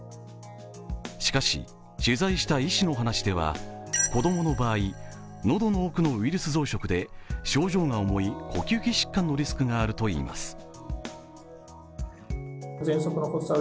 しかし、取材した医師の話では子供の場合、のどの奥のウイルス増殖で、症状の重い呼吸器疾患のリスクがあるといいます。